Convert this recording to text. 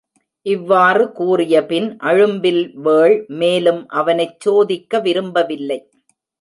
இவ்வாறு கூறியபின் அழும்பில்வேள் மேலும் அவனைச் சோதிக்க விரும்பவில்லை.